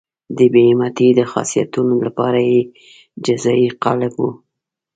د بې همتۍ د خاصیتونو لپاره یې جزایي قالب وو.